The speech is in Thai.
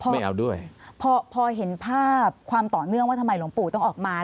ไม่เอาด้วยพอพอเห็นภาพความต่อเนื่องว่าทำไมหลวงปู่ต้องออกมา